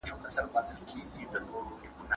په لاس لیکل د فکري رکود مخه نیسي.